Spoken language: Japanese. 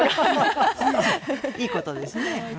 いいことですね。